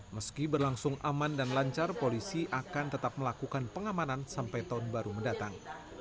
meski berlangsung aman dan lancar polisi akan tetap melakukan pengamanan sampai tahun baru mendatang